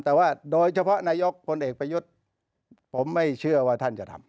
แต่ว่าโดยเฉพาะนายกพลเอกประยุทธ์ผมไม่เชื่อว่าท่านจะทำ